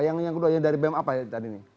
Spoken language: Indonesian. yang keduanya dari bem apa ya tadi nih